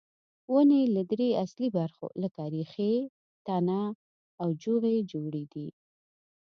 ونې له درې اصلي برخو لکه ریښې، تنه او جوغې جوړې دي.